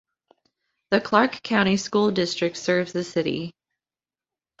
The Clark County School District serves the city.